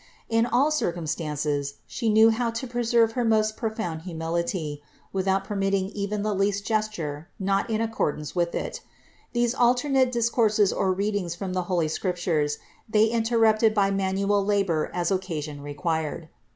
In all circumstances She knew how to preserve her most pro found humility, without permitting even the least gesture not in accordance with it. These alternate discourses or readings from the holy Scriptures they interrupted by manual labor as occasion required.